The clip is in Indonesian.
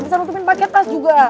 bisa nutupin paket khas juga